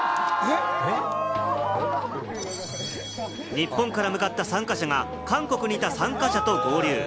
日本から向かった参加者が、韓国にいた参加者と合流。